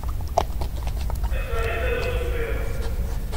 Ass-a, izad usemmiḍ.